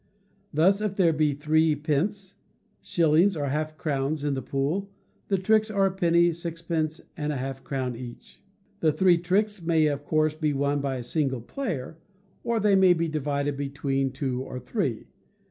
Thus, if there be three pence, shillings, or half crowns, in the pool, the tricks are a penny, sixpence, or half a crown each. The three tricks may of course be won by a single player, or they may be divided between two or three.